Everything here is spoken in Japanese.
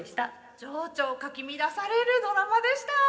情緒をかき乱されるドラマでした！